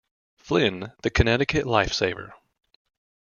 Flynn the Connecticut life-saver.